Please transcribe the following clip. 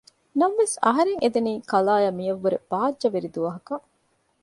ނަމަވެސް އަހަރެން އެދެނީ ކަލާއަށް މިއަށްވުރެ ބާއްޖަވެރި ދުވަހަކަށް